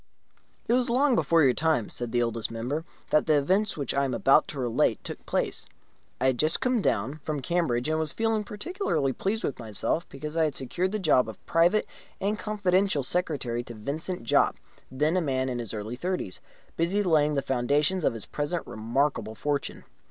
It was long before your time (said the Oldest Member) that the events which I am about to relate took place. I had just come down from Cambridge, and was feeling particularly pleased with myself because I had secured the job of private and confidential secretary to Vincent Jopp, then a man in the early thirties, busy in laying the foundations of his present remarkable fortune.